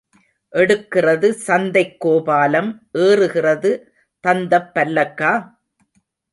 எடுக்கிறது சந்தைக் கோபாலம் ஏறுகிறது தந்தப் பல்லக்கா?